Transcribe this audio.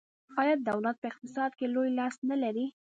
آیا دولت په اقتصاد کې لوی لاس نلري؟